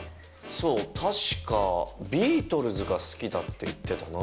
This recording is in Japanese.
そう確かビートルズが好きだって言ってたな。